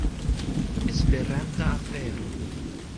Esperanta afero